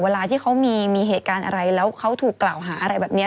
เวลาที่เขามีเหตุการณ์อะไรแล้วเขาถูกกล่าวหาอะไรแบบนี้